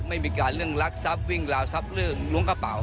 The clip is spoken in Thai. ไม่มีการเรื่องรักทรัพย์วิ่งราวทรัพย์เรื่องล้วงกระเป๋า